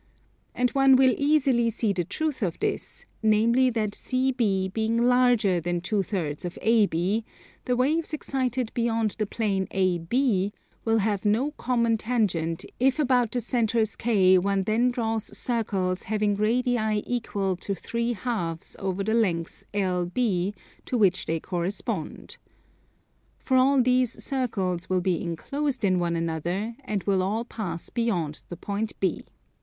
And one will easily see the truth of this, namely that CB being larger than 2/3 of AB, the waves excited beyond the plane AB will have no common tangent if about the centres K one then draws circles having radii equal to 3/2 of the lengths LB to which they correspond. For all these circles will be enclosed in one another and will all pass beyond the point B.